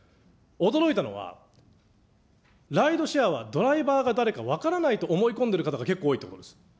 驚いたのは、ライドシェアはドライバーが誰か分からないと思い込んでる方が結構多いと思います。